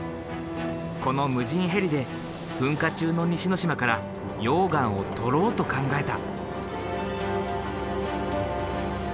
この無人ヘリで噴火中の西之島から溶岩を採ろうと考えた。